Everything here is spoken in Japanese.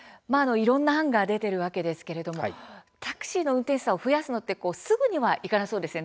いろんな案が出ているわけですけれどもタクシーの運転手さんを増やすのってすぐにはいかなそうですね。